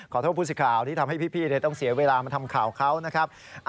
ขอโทษผู้สึกข่าวที่ทำให้พี่เลยต้องเสียเวลามาทำข่าวเขานะครับ